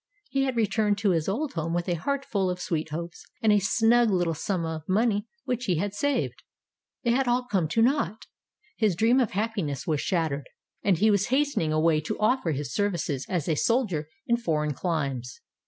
He had returned to his old home with a heart full of sweet hopes, and a snug little sum of money which he had saved. It had all come to naught. His dream of happiness was shattered, and he was hastening away to offer his services as a soldier in foreign climes.